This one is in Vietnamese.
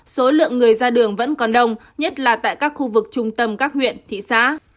số lượng người ra đường vẫn còn đông nhất là tại các khu vực trung tâm các huyện thị xã